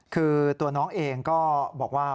คือตัวน้องเองก็บอกว่า